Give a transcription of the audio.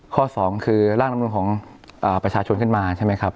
ข้อสองคือร่างลำนูลของประชาชนขึ้นมาใช่ไหมครับ